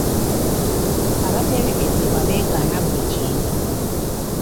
Abateeberezebwa beegaana buli kintu.